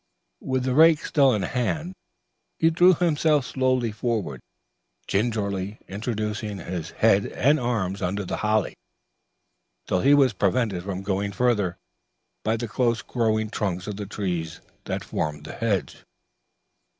With the rake still in his hand, he drew himself slowly forward, gingerly introducing his head and arms under the holly, till he was prevented from going farther by the close growing trunks of the trees that formed the hedge.